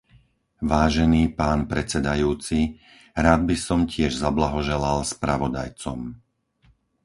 Vážený pán predsedajúci, rád by som tiež zablahoželal spravodajcom.